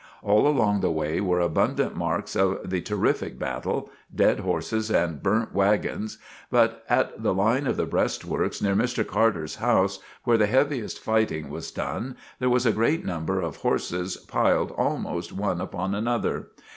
All along the way were abundant marks of the terrific battle, dead horses and burnt wagons, but at the line of the breastworks near Mr. Carter's house, where the heaviest fighting was done, there was a great number of horses piled almost one upon another.